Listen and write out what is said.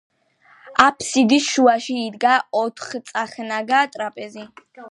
აფსიდის შუაში იდგა ოთხწახნაგა ტრაპეზი.